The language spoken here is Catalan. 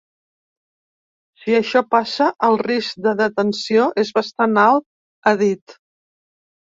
Si això passa, el risc de detenció és bastant alt, ha dit.